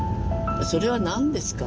それは何ですか？